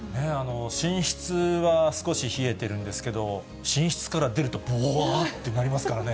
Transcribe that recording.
寝室は少し冷えてるんですけど、寝室から出ると、ぼわーっとなりますからね。